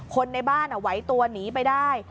คนในบ้านไหวตัวหนีไปได้